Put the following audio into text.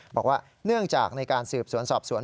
บอกว่าเนื่องจากในการสืบสวนสอบสวน